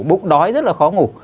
bụng đói rất là khó ngủ